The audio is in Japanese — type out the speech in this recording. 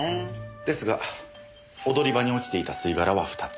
ですが踊り場に落ちていた吸い殻は２つ。